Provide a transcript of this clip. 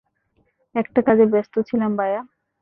একটা কাজে ব্যস্ত ছিলাম ভায়া!